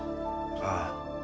ああ。